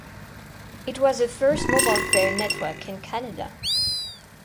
It was the first mobile phone network in Canada.